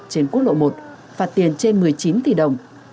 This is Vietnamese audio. trên quốc lộ một phạt tiền trên một mươi chín tỷ đồng